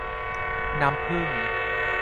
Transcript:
น้ำผึ้ง